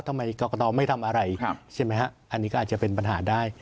ทำไมกรกตไม่ทำอะไรใช่ไหมฮะอันนี้ก็อาจจะเป็นปัญหาได้